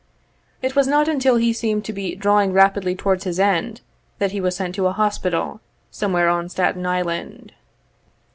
It was not until he seemed to be drawing rapidly towards his end, that he was sent to a Hospital, somewhere on Staten Island.